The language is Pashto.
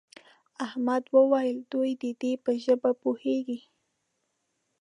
احمد وویل دوی دې په ژبه پوهېږي.